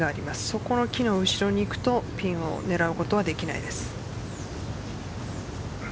そこの木の後ろにいくとピンを狙うことはできないです。